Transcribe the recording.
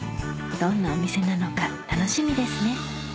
どんなお店なのか楽しみですね